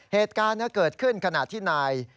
เหตุการณ์เกิดขึ้นขณะที่นาย